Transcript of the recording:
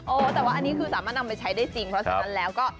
แต่ว่าอันนี้คือสามารถนำไปใช้ได้จริงเพราะฉะนั้นแล้วก็